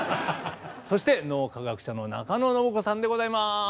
そして脳科学者の中野信子さんでございます。